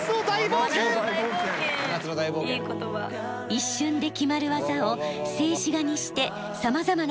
一瞬で決まる技を静止画にしてさまざまな角度から紹介。